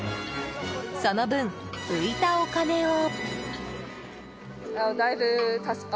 その分、浮いたお金を。